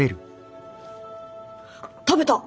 食べた！